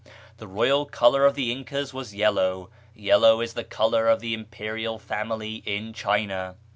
The royal color of the Incas was yellow; yellow is the color of the imperial family in China.